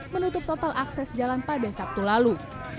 menutup total akses jalan pada sabtu lalu